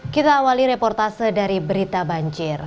kita awali reportase dari berita banjir